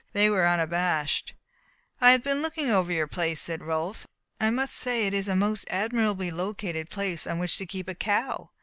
They were unabashed. "I have just been looking over your place," said Rolfs, "and I must say it is a most admirably located place on which to keep a cow.